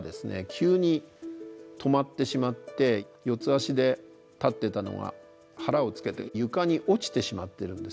急に止まってしまって四つ足で立ってたのが腹をつけて床に落ちてしまってるんですね。